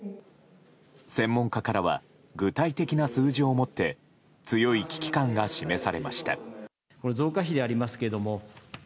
専門家からは具体的な数字をもって強い危機感が示されました。